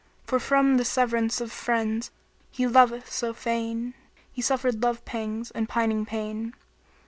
* For from the severance of friends he loveth so fain * he suffereth love pangs and pining pain.